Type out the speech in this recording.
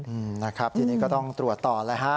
อืมนะครับทีนี้ก็ต้องตรวจต่อแล้วฮะ